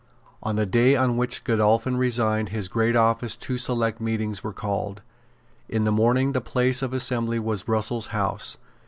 On the day on which Godolphin resigned his great office two select meetings were called. In the morning the place of assembly was Russell's house.